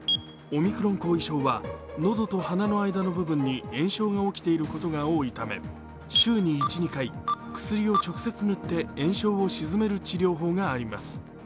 オミクロン後遺症は喉と鼻の間の部分に炎症が起きていることが多いため週に１２回薬を直接塗って炎症を鎮める治療法があります。